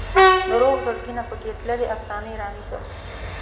د روغ زړګي نه پکې تللې افسانې رانیسم